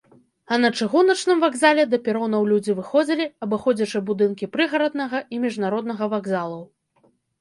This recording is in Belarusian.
А на чыгуначным вакзале да перонаў людзі выходзілі, абыходзячы будынкі прыгараднага і міжнароднага вакзалаў.